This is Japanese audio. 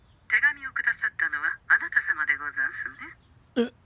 えっ？